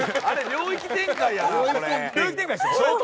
領域展開やな。